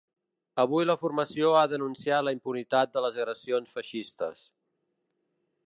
Avui la formació ha denunciat la impunitat de les agressions feixistes.